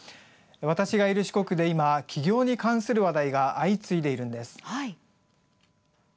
私がいる四国で今、起業に関する話題が相次いでいるんです。